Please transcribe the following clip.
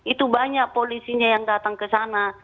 itu banyak polisinya yang datang ke sana